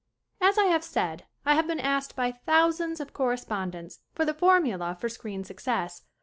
As I HAVE said, I have been asked by thous ands of correspondents for the formula for screen success.